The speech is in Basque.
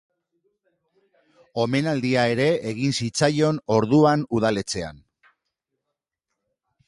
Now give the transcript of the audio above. Omenaldia ere egin zitzaion orduan udaletxean.